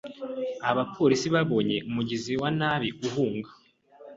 Abapolisi babonye umugizi wa nabi uhunga.